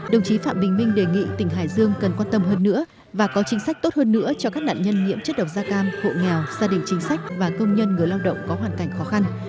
đồng chí phạm bình minh đề nghị tỉnh hải dương cần quan tâm hơn nữa và có chính sách tốt hơn nữa cho các nạn nhân nhiễm chất độc da cam hộ nghèo gia đình chính sách và công nhân người lao động có hoàn cảnh khó khăn